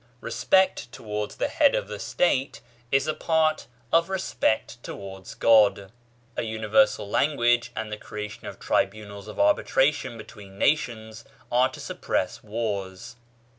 Respect towards the Head of the State is a part of respect towards God/ A univer sal language and the creation of tribunals of arbitra tion between nations are to suppress wars.